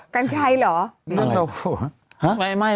กันใครเหรอ